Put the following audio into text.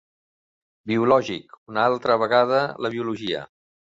Biològic, una altra vegada la biologia.